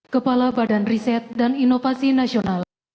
kepala badan riset dan inovasi nasional